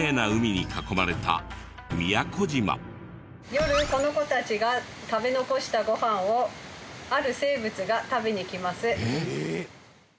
夜この子たちが食べ残したご飯をある生物が食べに来ます。